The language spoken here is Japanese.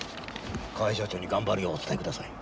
河合社長に頑張るようお伝えください。